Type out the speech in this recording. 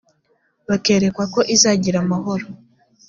bakerekwa ko izagira amahoro